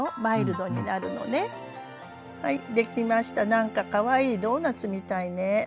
なんかかわいいドーナツみたいね。